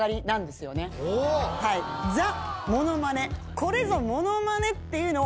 これぞモノマネっていうのを。